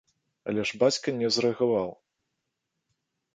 Але ж бацька не зрэагаваў.